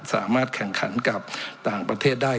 สามารถแข่งขันกับต่างประเทศได้